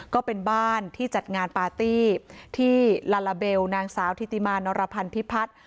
ก็เป็นบ้านที่จัดงานปาร์ตี้ที่ลาลาเบลนางสาวธิติมานรพันธิพัฒน์